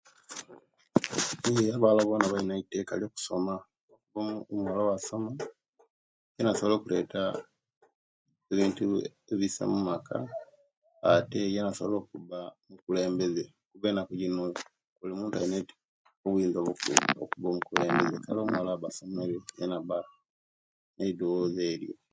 Yee abawala bona balina eiteka elyokusoma kuba omu omuwala yena asobola okuleta ebintu ebisa omumaka ate yena asobola okuba omukulembeze kuba enaku jino bulimuntu alina eiteka obuyinza okuba omukulembeze kale omuwala owaba asomere aba neidowozi elyo